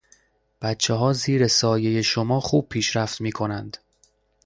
بچه ها زیر سایه شما خوب پیشرفت می کنند.